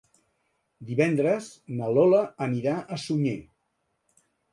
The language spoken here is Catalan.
Divendres na Lola anirà a Sunyer.